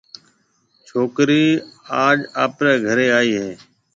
ڇوڪرَي آݪا آپرَي گھرَي آئيَ ھيََََ